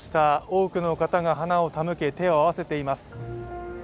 多くの方が花を手向け手を合わせています。